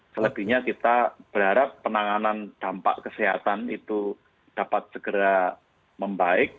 selebihnya kita berharap penanganan dampak kesehatan itu dapat segera membaik